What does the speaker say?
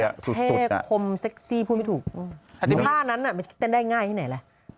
แท้คมเซ็กซี่พูดไม่ถูกภาพนั้นอ่ะไม่ได้ง่ายไงล่ะ